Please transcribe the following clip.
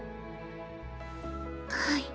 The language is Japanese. はい。